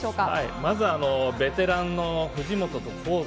まずベテランの藤本と香西。